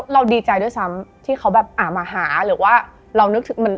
ดีใจด้วยซ้ำที่เขาแบบมาหาหรือว่าเรานึกถึงมัน